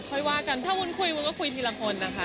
ค่อยว่ากันถ้าวุ้นคุยวุ้นก็คุยทีละคนนะคะ